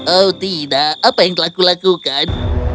oh tidak apa yang telah kulakukan